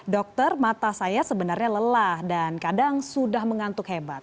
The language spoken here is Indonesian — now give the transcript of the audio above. dokter mata saya sebenarnya lelah dan kadang sudah mengantuk hebat